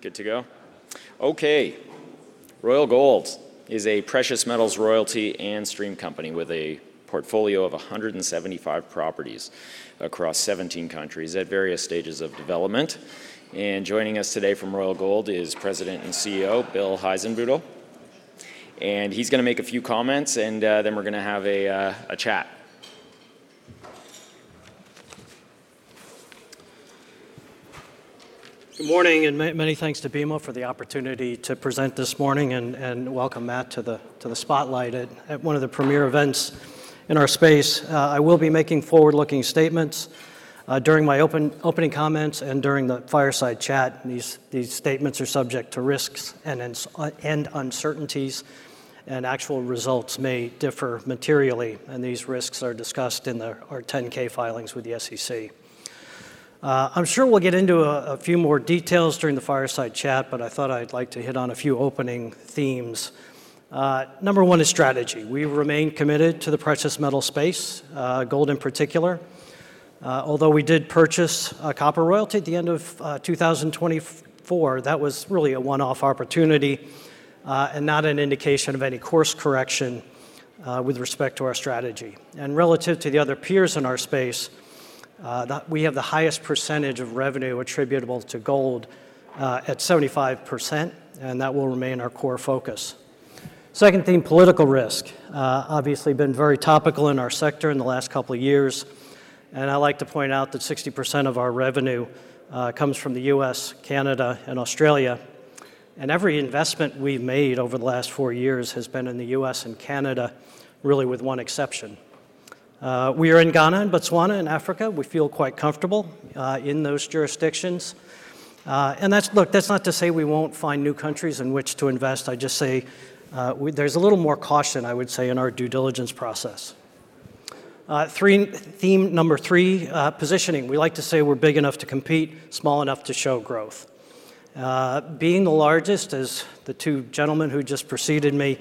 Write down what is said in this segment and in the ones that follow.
Good to go? Okay. Royal Gold is a precious metals royalty and stream company with a portfolio of 175 properties across 17 countries at various stages of development. Joining us today from Royal Gold is President and CEO Bill Heissenbuttel. He's going to make a few comments, and then we're going to have a chat. Good morning, and many thanks to BMO for the opportunity to present this morning and welcome Matt to the spotlight at one of the premier events in our space. I will be making forward-looking statements during my opening comments and during the fireside chat. These statements are subject to risks and uncertainties, and actual results may differ materially, and these risks are discussed in our 10-K filings with the SEC. I'm sure we'll get into a few more details during the fireside chat, but I thought I'd like to hit on a few opening themes. Number one is strategy. We remain committed to the precious metal space, gold in particular. Although we did purchase a copper royalty at the end of 2024, that was really a one-off opportunity and not an indication of any course correction with respect to our strategy. And relative to the other peers in our space, we have the highest percentage of revenue attributable to gold at 75%, and that will remain our core focus. Second theme, political risk. Obviously, been very topical in our sector in the last couple of years. And I like to point out that 60% of our revenue comes from the U.S., Canada, and Australia. And every investment we've made over the last four years has been in the U.S. and Canada, really with one exception. We are in Ghana and Botswana and Africa. We feel quite comfortable in those jurisdictions. And that's not to say we won't find new countries in which to invest. I just say there's a little more caution, I would say, in our due diligence process. Theme number three, positioning. We like to say we're big enough to compete, small enough to show growth. Being the largest, as the two gentlemen who just preceded me,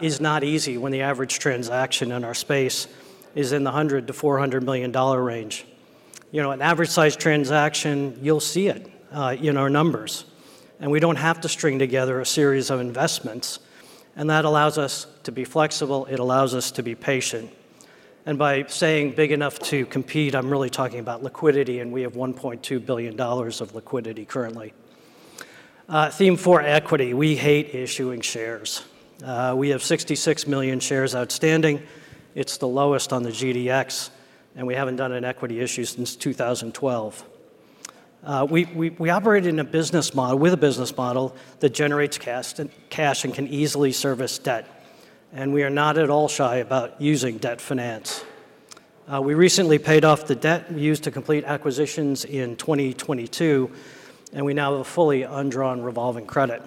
is not easy when the average transaction in our space is in the $100-$400 million range. You know, an average-sized transaction, you'll see it in our numbers. And we don't have to string together a series of investments. And that allows us to be flexible. It allows us to be patient. And by saying big enough to compete, I'm really talking about liquidity, and we have $1.2 billion of liquidity currently. Theme four, equity. We hate issuing shares. We have 66 million shares outstanding. It's the lowest on the GDX, and we haven't done an equity issue since 2012. We operate in a business model with a business model that generates cash and can easily service debt. And we are not at all shy about using debt finance. We recently paid off the debt used to complete acquisitions in 2022, and we now have a fully undrawn revolving credit.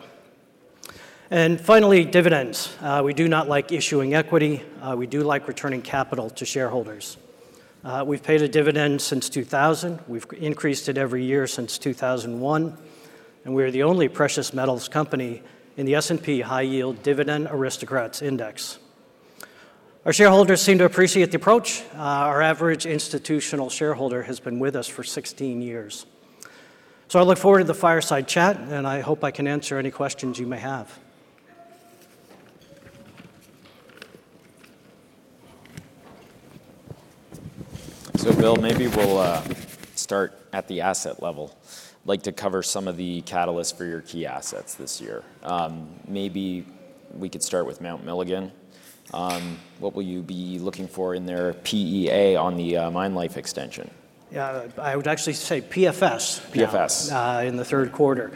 And finally, dividends. We do not like issuing equity. We do like returning capital to shareholders. We've paid a dividend since 2000. We've increased it every year since 2001. And we are the only precious metals company in the S&P High Yield Dividend Aristocrats Index. Our shareholders seem to appreciate the approach. Our average institutional shareholder has been with us for 16 years. So I look forward to the fireside chat, and I hope I can answer any questions you may have. Bill, maybe we'll start at the asset level. I'd like to cover some of the catalysts for your key assets this year. Maybe we could start with Mount Milligan. What will you be looking for in their PEA on the mine life extension? Yeah, I would actually say PFS in the third quarter.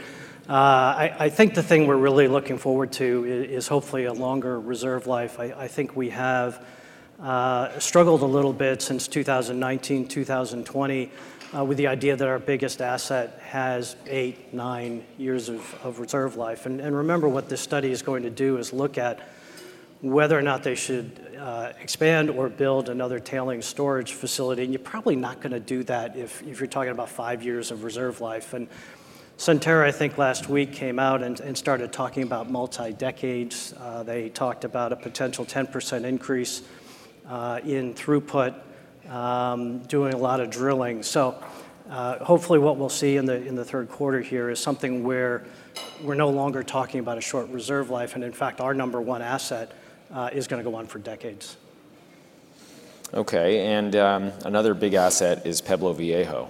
I think the thing we're really looking forward to is hopefully a longer reserve life. I think we have struggled a little bit since 2019, 2020 with the idea that our biggest asset has eight, nine years of reserve life. And remember, what this study is going to do is look at whether or not they should expand or build another tailings storage facility. And you're probably not going to do that if you're talking about five years of reserve life. And Centerra, I think last week, came out and started talking about multi-decades. They talked about a potential 10% increase in throughput, doing a lot of drilling. So hopefully what we'll see in the third quarter here is something where we're no longer talking about a short reserve life. In fact, our number one asset is going to go on for decades. Okay. And another big asset is Pueblo Viejo.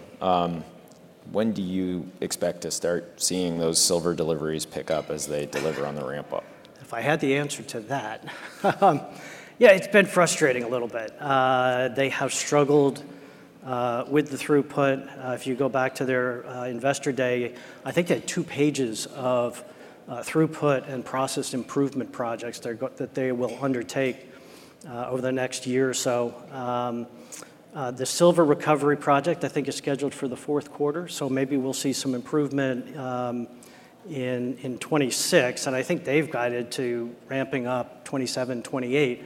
When do you expect to start seeing those silver deliveries pick up as they deliver on the ramp-up? If I had the answer to that, yeah, it's been frustrating a little bit. They have struggled with the throughput. If you go back to their investor day, I think they had two pages of throughput and process improvement projects that they will undertake over the next year or so. The silver recovery project, I think, is scheduled for the fourth quarter. So maybe we'll see some improvement in 2026. And I think they've guided to ramping up 2027, 2028.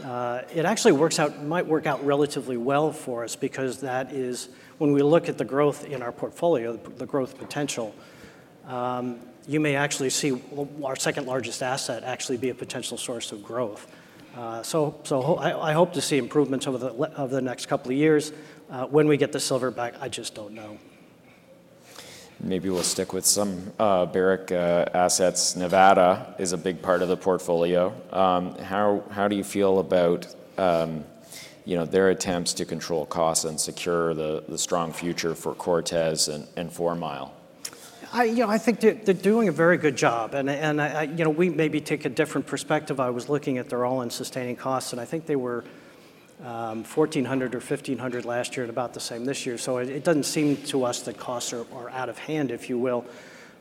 It actually works out, might work out relatively well for us because that is, when we look at the growth in our portfolio, the growth potential, you may actually see our second largest asset actually be a potential source of growth. So I hope to see improvements over the next couple of years. When we get the silver back, I just don't know. Maybe we'll stick with some Barrick assets. Nevada is a big part of the portfolio. How do you feel about their attempts to control costs and secure the strong future for Cortez and Fourmile? You know, I think they're doing a very good job, and we maybe take a different perspective. I was looking at their all-in sustaining costs, and I think they were $1,400 or $1,500 last year and about the same this year, so it doesn't seem to us that costs are out of hand, if you will,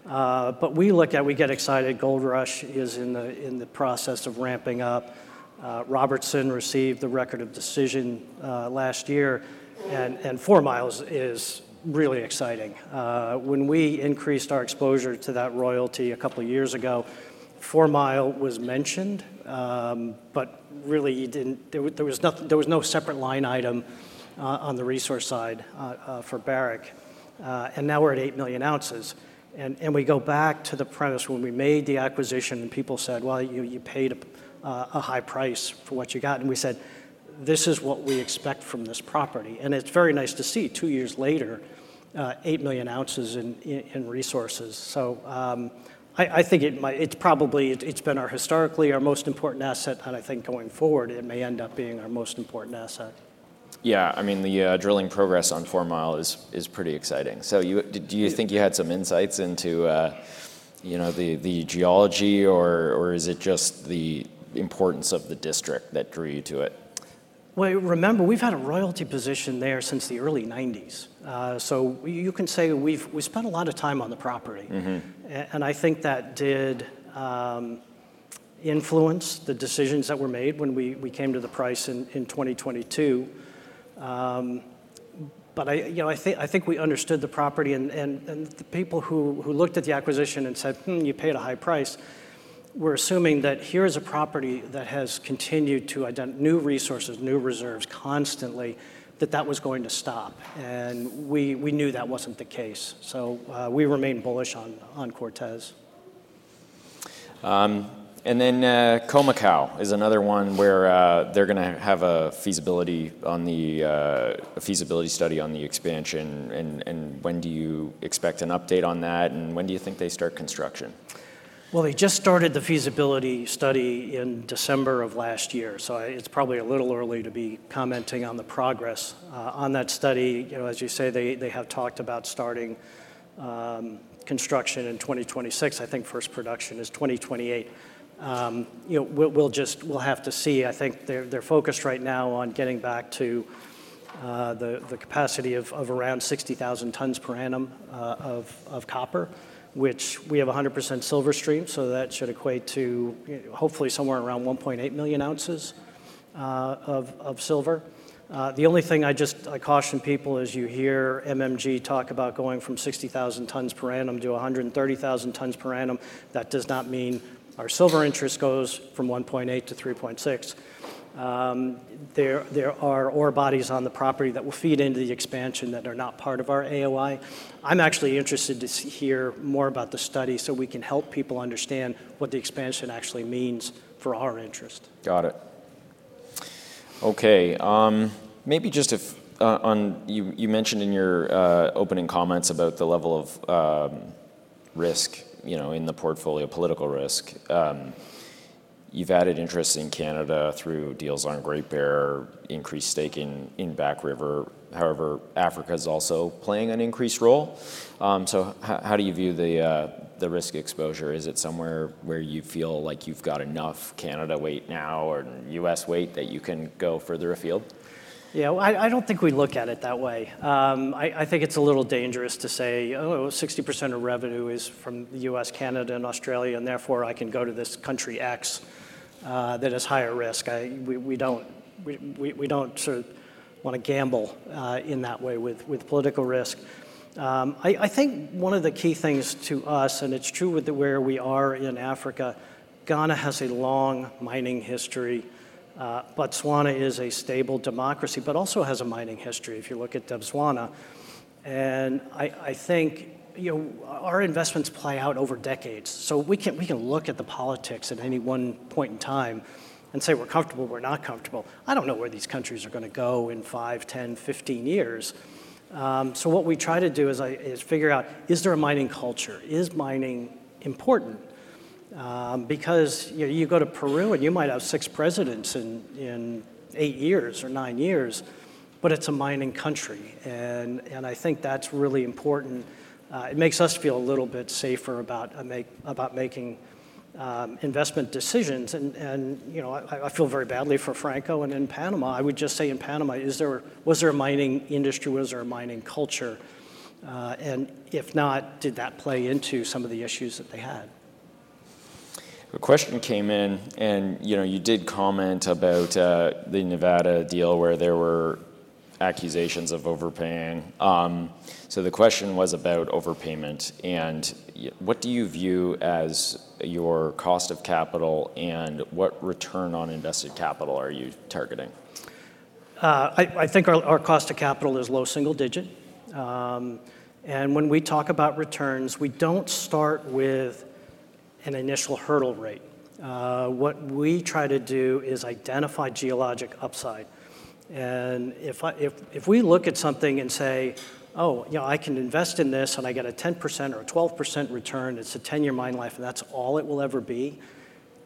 but we look at, we get excited. Goldrush is in the process of ramping up. Robertson received the Record of Decision last year, and Fourmile is really exciting. When we increased our exposure to that royalty a couple of years ago, Fourmile was mentioned, but really there was no separate line item on the resource side for Barrick, and now we're at eight million ounces, and we go back to the premise when we made the acquisition and people said, well, you paid a high price for what you got. We said, this is what we expect from this property. It's very nice to see two years later, eight million ounces in resources. I think it's probably been historically our most important asset. I think going forward, it may end up being our most important asset. Yeah. I mean, the drilling progress on Fourmile is pretty exciting. So do you think you had some insights into the geology, or is it just the importance of the district that drew you to it? Remember, we've had a royalty position there since the early 1990s. So you can say we spent a lot of time on the property. And I think that did influence the decisions that were made when we came to the price in 2022. But I think we understood the property, and the people who looked at the acquisition and said, you paid a high price, were assuming that here is a property that has continued to new resources, new reserves constantly, that that was going to stop. And we knew that wasn't the case, so we remained bullish on Cortez. And then Khoemacau is another one where they're going to have a feasibility study on the expansion. And when do you expect an update on that? And when do you think they start construction? They just started the feasibility study in December of last year. So it's probably a little early to be commenting on the progress on that study. As you say, they have talked about starting construction in 2026. I think first production is 2028. We'll have to see. I think they're focused right now on getting back to the capacity of around 60,000 tons per annum of copper, which we have 100% silver stream. So that should equate to hopefully somewhere around 1.8 million ounces of silver. The only thing I just caution people is you hear MMG talk about going from 60,000 tons per annum to 130,000 tons per annum. That does not mean our silver interest goes from 1.8 to 3.6. There are ore bodies on the property that will feed into the expansion that are not part of our AOI. I'm actually interested to hear more about the study so we can help people understand what the expansion actually means for our interest. Got it. Okay. Maybe just you mentioned in your opening comments about the level of risk in the portfolio, political risk. You've added interest in Canada through deals on Great Bear, increased staking in Back River. However, Africa is also playing an increased role. So how do you view the risk exposure? Is it somewhere where you feel like you've got enough Canada weight now or U.S. weight that you can go further afield? Yeah, I don't think we look at it that way. I think it's a little dangerous to say, oh, 60% of revenue is from the U.S., Canada, and Australia, and therefore I can go to this country X that is higher risk. We don't sort of want to gamble in that way with political risk. I think one of the key things to us, and it's true with where we are in Africa. Ghana has a long mining history. Botswana is a stable democracy, but also has a mining history if you look at Botswana. And I think our investments play out over decades. So we can look at the politics at any one point in time and say we're comfortable, we're not comfortable. I don't know where these countries are going to go in five, 10, 15 years. So what we try to do is figure out, is there a mining culture? Is mining important? Because you go to Peru and you might have six presidents in eight years or nine years, but it's a mining country. And I think that's really important. It makes us feel a little bit safer about making investment decisions. And I feel very badly for Franco-Nevada in Panama. I would just say in Panama, was there a mining industry? Was there a mining culture? And if not, did that play into some of the issues that they had? A question came in, and you did comment about the Nevada deal where there were accusations of overpaying. So the question was about overpayment. And what do you view as your cost of capital and what return on invested capital are you targeting? I think our cost of capital is low single digit. When we talk about returns, we don't start with an initial hurdle rate. What we try to do is identify geologic upside. If we look at something and say, oh, I can invest in this and I get a 10% or a 12% return, it's a 10-year mine life and that's all it will ever be,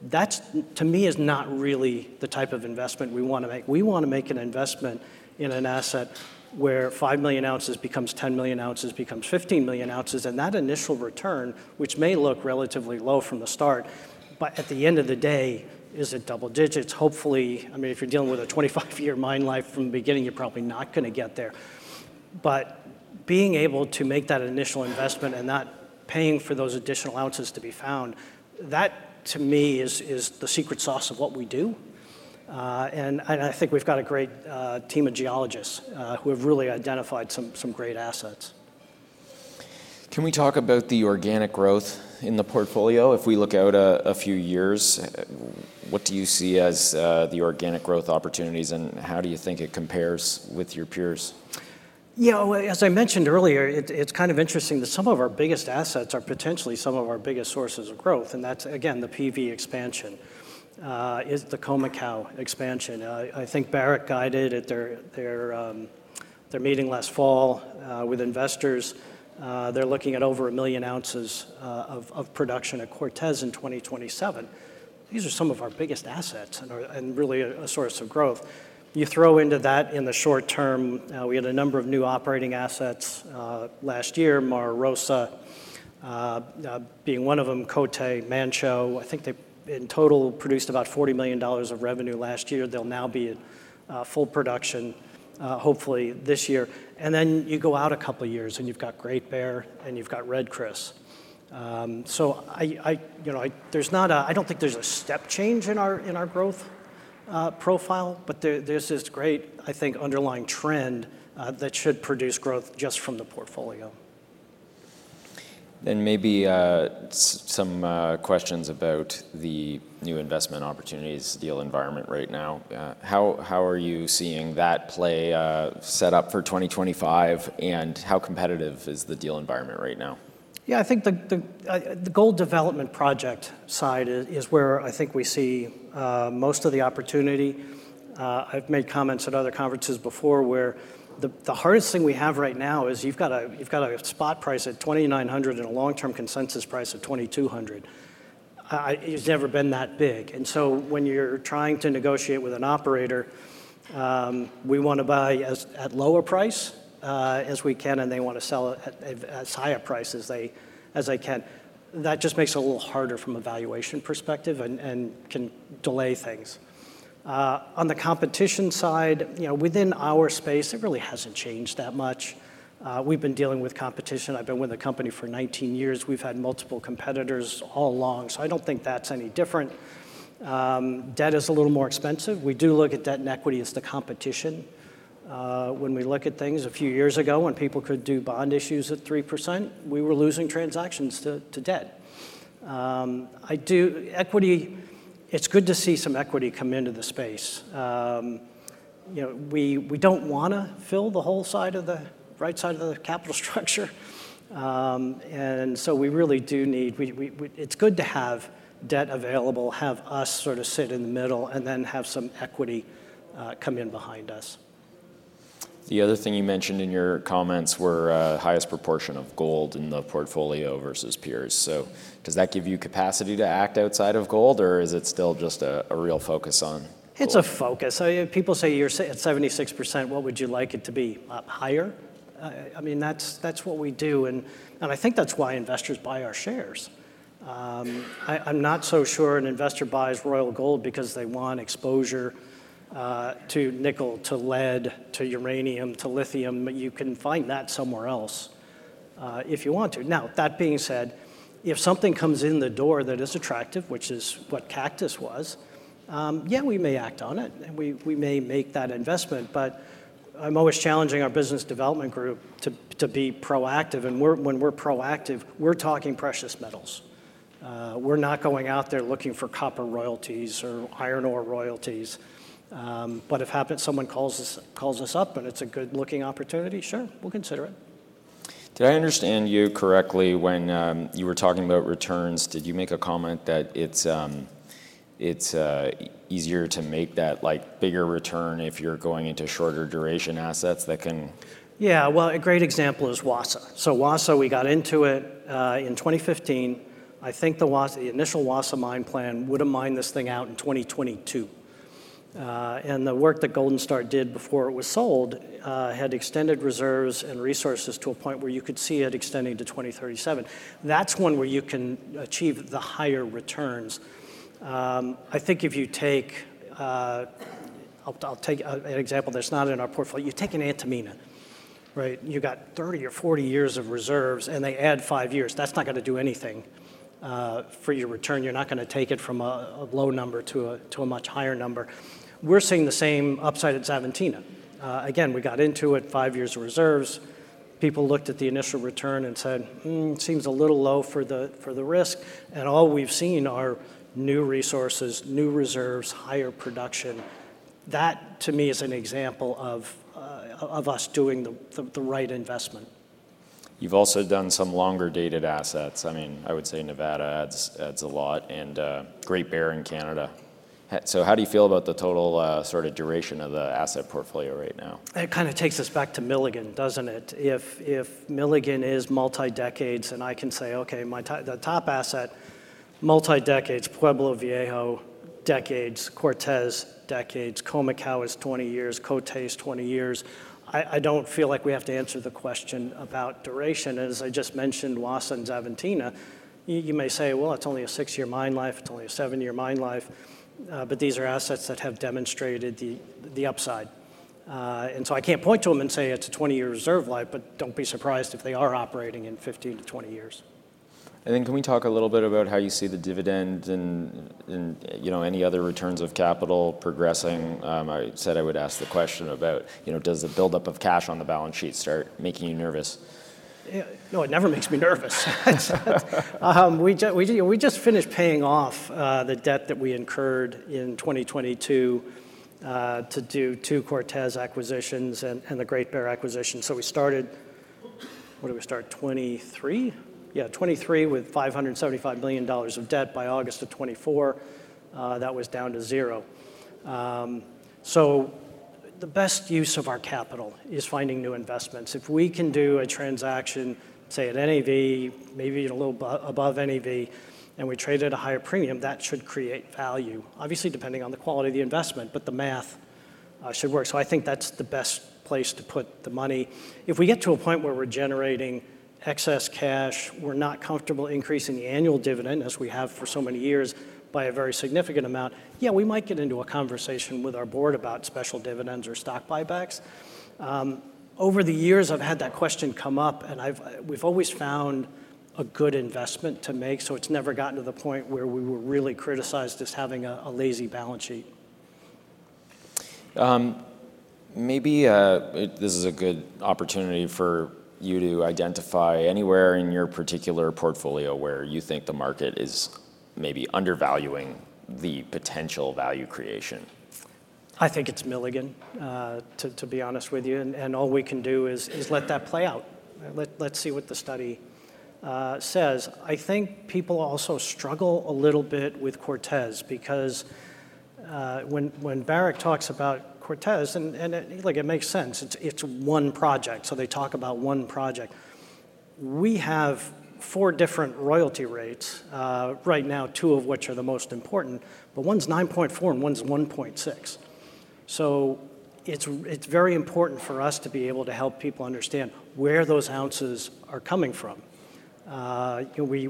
that to me is not really the type of investment we want to make. We want to make an investment in an asset where five million ounces becomes 10 million ounces, becomes 15 million ounces. That initial return, which may look relatively low from the start, but at the end of the day is at double digits. Hopefully, I mean, if you're dealing with a 25-year mine life from the beginning, you're probably not going to get there. But being able to make that initial investment and not paying for those additional ounces to be found, that to me is the secret sauce of what we do. And I think we've got a great team of geologists who have really identified some great assets. Can we talk about the organic growth in the portfolio? If we look out a few years, what do you see as the organic growth opportunities and how do you think it compares with your peers? You know, as I mentioned earlier, it's kind of interesting that some of our biggest assets are potentially some of our biggest sources of growth. And that's, again, the PV expansion, the Khoemacau expansion. I think Barrick guided their meeting last fall with investors. They're looking at over one million ounces of production at Cortez in 2027. These are some of our biggest assets and really a source of growth. You throw into that in the short term, we had a number of new operating assets last year, Mara Rosa being one of them, Côté, Manh Choh. I think they in total produced about $40 million of revenue last year. They'll now be at full production hopefully this year. And then you go out a couple of years and you've got Great Bear and you've got Red Chris. I don't think there's a step change in our growth profile, but there's this great, I think, underlying trend that should produce growth just from the portfolio. Then maybe some questions about the new investment opportunities deal environment right now. How are you seeing that play set up for 2025 and how competitive is the deal environment right now? Yeah, I think the gold development project side is where I think we see most of the opportunity. I've made comments at other conferences before where the hardest thing we have right now is you've got a spot price at $2,900 and a long-term consensus price of $2,200. It's never been that big, and so when you're trying to negotiate with an operator, we want to buy at lower price as we can, and they want to sell it at as high a price as they can. That just makes it a little harder from a valuation perspective and can delay things. On the competition side, within our space, it really hasn't changed that much. We've been dealing with competition. I've been with the company for 19 years. We've had multiple competitors all along, so I don't think that's any different. Debt is a little more expensive. We do look at debt and equity as the competition. When we look at things a few years ago when people could do bond issues at 3%, we were losing transactions to debt. Equity, it's good to see some equity come into the space. We don't want to fill the whole side of the right side of the capital structure. And so we really do need. It's good to have debt available, have us sort of sit in the middle and then have some equity come in behind us. The other thing you mentioned in your comments were highest proportion of gold in the portfolio versus peers. So does that give you capacity to act outside of gold, or is it still just a real focus on? It's a focus. People say you're at 76%. What would you like it to be? Higher? I mean, that's what we do. And I think that's why investors buy our shares. I'm not so sure an investor buys Royal Gold because they want exposure to nickel, to lead, to uranium, to lithium. You can find that somewhere else if you want to. Now, that being said, if something comes in the door that is attractive, which is what Cactus was, yeah, we may act on it and we may make that investment. But I'm always challenging our business development group to be proactive. And when we're proactive, we're talking precious metals. We're not going out there looking for copper royalties or iron ore royalties. But if happens someone calls us up and it's a good looking opportunity, sure, we'll consider it. Did I understand you correctly when you were talking about returns? Did you make a comment that it's easier to make that bigger return if you're going into shorter duration assets that can? Yeah, well, a great example is Wassa. So Wassa, we got into it in 2015. I think the initial Wassa mine plan would have mined this thing out in 2022. And the work that Golden Star did before it was sold had extended reserves and resources to a point where you could see it extending to 2037. That's one where you can achieve the higher returns. I think if you take, I'll take an example that's not in our portfolio, you take an Antamina, right? You got 30 or 40 years of reserves and they add five years. That's not going to do anything for your return. You're not going to take it from a low number to a much higher number. We're seeing the same upside at Xavantina. Again, we got into it, five years of reserves. People looked at the initial return and said, "Seems a little low for the risk." And all we've seen are new resources, new reserves, higher production. That to me is an example of us doing the right investment. You've also done some longer dated assets. I mean, I would say Nevada adds a lot and Great Bear in Canada. So how do you feel about the total sort of duration of the asset portfolio right now? It kind of takes us back to Milligan, doesn't it? If Milligan is multi-decades and I can say, okay, the top asset, multi-decades, Pueblo Viejo, decades, Cortez, decades, Khoemacau is 20 years, Côté is 20 years. I don't feel like we have to answer the question about duration. As I just mentioned, Wassa and Xavantina, you may say, well, it's only a six-year mine life, it's only a seven-year mine life, but these are assets that have demonstrated the upside. And so I can't point to them and say it's a 20-year reserve life, but don't be surprised if they are operating in 15-20 years. And then can we talk a little bit about how you see the dividend and any other returns of capital progressing? I said I would ask the question about does the buildup of cash on the balance sheet start making you nervous? No, it never makes me nervous. We just finished paying off the debt that we incurred in 2022 to do two Cortez acquisitions and the Great Bear acquisition. So we started, what did we start, 2023? Yeah, 2023 with $575 million of debt by August of 2024. That was down to zero. So the best use of our capital is finding new investments. If we can do a transaction, say at NAV, maybe a little above NAV, and we trade at a higher premium, that should create value. Obviously, depending on the quality of the investment, but the math should work. So I think that's the best place to put the money. If we get to a point where we're generating excess cash, we're not comfortable increasing the annual dividend as we have for so many years by a very significant amount, yeah, we might get into a conversation with our board about special dividends or stock buybacks. Over the years, I've had that question come up and we've always found a good investment to make. So it's never gotten to the point where we were really criticized as having a lazy balance sheet. Maybe this is a good opportunity for you to identify anywhere in your particular portfolio where you think the market is maybe undervaluing the potential value creation. I think it's Milligan, to be honest with you. And all we can do is let that play out. Let's see what the study says. I think people also struggle a little bit with Cortez because when Barrick talks about Cortez, and it makes sense, it's one project. So they talk about one project. We have four different royalty rates right now, two of which are the most important, but one's 9.4% and one's 1.6%. So it's very important for us to be able to help people understand where those ounces are coming from. We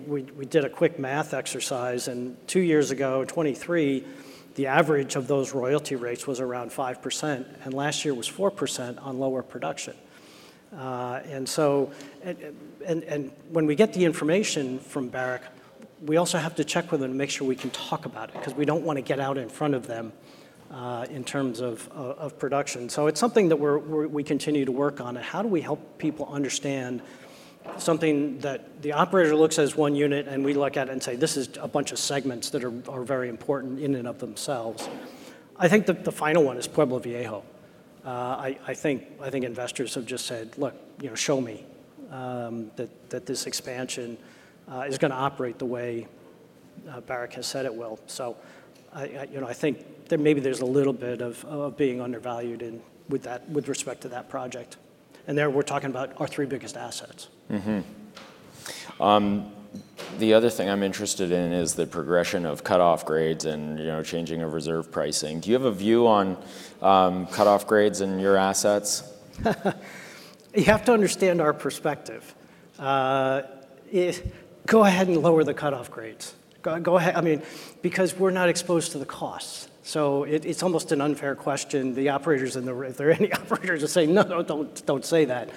did a quick math exercise and two years ago, 2023, the average of those royalty rates was around 5% and last year was 4% on lower production. And so when we get the information from Barrick, we also have to check with them to make sure we can talk about it because we don't want to get out in front of them in terms of production. So it's something that we continue to work on. And how do we help people understand something that the operator looks at as one unit and we look at it and say, this is a bunch of segments that are very important in and of themselves? I think the final one is Pueblo Viejo. I think investors have just said, look, show me that this expansion is going to operate the way Barrick has said it will. So I think maybe there's a little bit of being undervalued with respect to that project. And there we're talking about our three biggest assets. The other thing I'm interested in is the progression of cutoff grades and changing of reserve pricing. Do you have a view on cutoff grades in your assets? You have to understand our perspective. Go ahead and lower the cutoff grades. I mean, because we're not exposed to the costs. So it's almost an unfair question. The operators, if there are any operators that say, no, don't say that.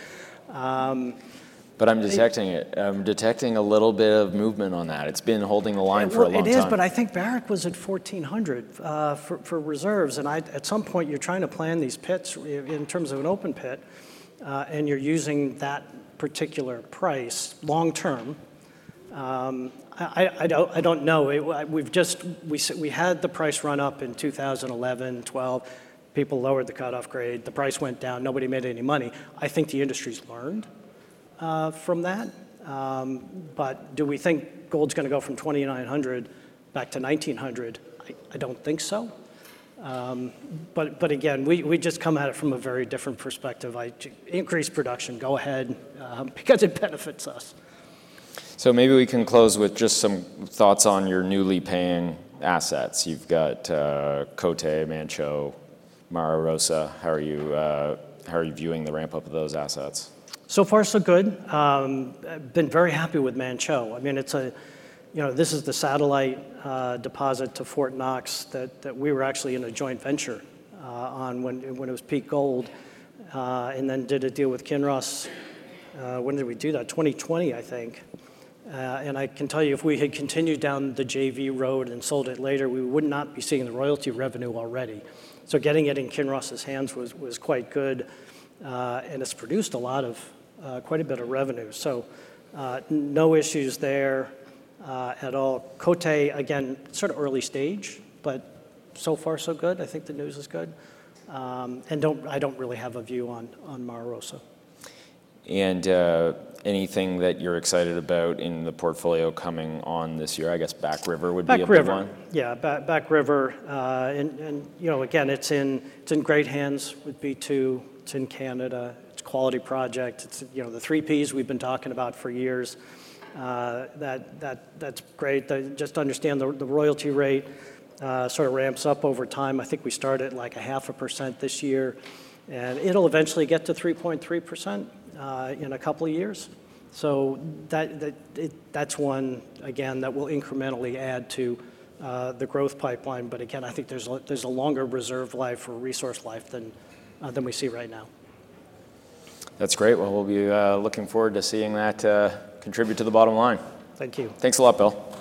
But I'm detecting a little bit of movement on that. It's been holding the line for a long time. It is, but I think Barrick was at 1,400 for reserves. And at some point, you're trying to plan these pits in terms of an open pit and you're using that particular price long term. I don't know. We had the price run up in 2011, 2012, people lowered the cutoff grade, the price went down, nobody made any money. I think the industry's learned from that. But do we think gold's going to go from 2,900 back to 1,900? I don't think so. But again, we just come at it from a very different perspective. Increase production, go ahead, because it benefits us. So maybe we can close with just some thoughts on your newly paying assets. You've got Côté, Manh Choh, Mara Rosa. How are you viewing the ramp-up of those assets? So far, so good. I've been very happy with Manh Choh. I mean, this is the satellite deposit to Fort Knox that we were actually in a joint venture on when it was Peak Gold and then did a deal with Kinross. When did we do that? 2020, I think. And I can tell you if we had continued down the JV road and sold it later, we would not be seeing the royalty revenue already. So getting it in Kinross's hands was quite good. And it's produced a lot of, quite a bit of revenue. So no issues there at all. Côté, again, sort of early stage, but so far, so good. I think the news is good. And I don't really have a view on Mara Rosa. Anything that you're excited about in the portfolio coming on this year, I guess Back River would be a big one? Back River, yeah. Back River. And again, it's in great hands with B2. It's in Canada. It's a quality project. It's the three P's we've been talking about for years. That's great. Just understand the royalty rate sort of ramps up over time. I think we started at like 0.5% this year. And it'll eventually get to 3.3% in a couple of years. So that's one, again, that will incrementally add to the growth pipeline. But again, I think there's a longer reserve life or resource life than we see right now. That's great. Well, we'll be looking forward to seeing that contribute to the bottom line. Thank you. Thanks a lot, Bill.